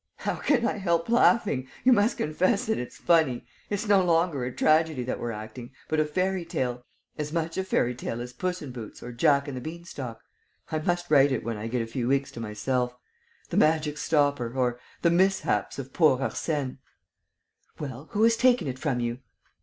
"How can I help laughing? You must confess that it's funny. It's no longer a tragedy that we're acting, but a fairy tale, as much a fairy tale as Puss in Boots or Jack and the Beanstalk. I must write it when I get a few weeks to myself: The Magic Stopper; or, The Mishaps of Poor Arsène." "Well ... who has taken it from you?"